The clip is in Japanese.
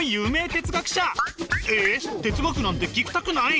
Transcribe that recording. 哲学なんて聞きたくない？